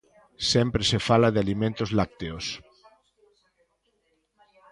Sempre se fala de Alimentos Lácteos.